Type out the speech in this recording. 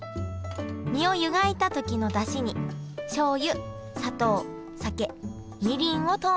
身を湯がいた時のだしにしょうゆ砂糖酒みりんを投入。